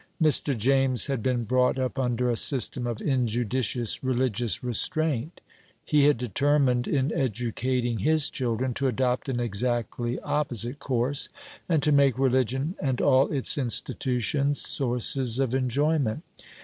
Mr. James had been brought up under a system of injudicious religious restraint. He had determined, in educating his children, to adopt an exactly opposite course, and to make religion and all its institutions sources of enjoyment.